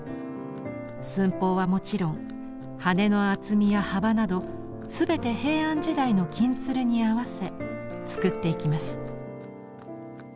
寸法はもちろん羽の厚みや幅など全て平安時代の金鶴に合わせ作っていきます。